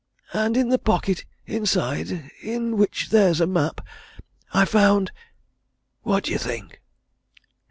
And in the pocket inside, in which there's a map, I found what d'ye think?"